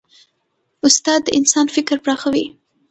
استاد د انسان فکر پراخوي.